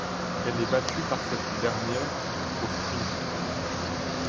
Elle est battue par cette dernière au sprint.